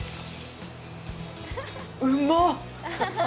うまっ。